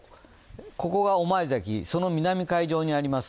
ここが御前崎、その南海上にあります。